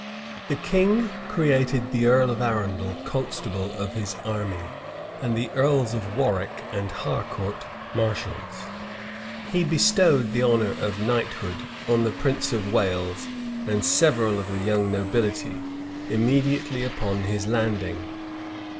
The king created the earl of Arundel constable of his army and the earls of Warwick and Harcourt mareschals: he bestowed the honor of knighthood on the prince of Wales and several of the young nobility, immediately upon his landing.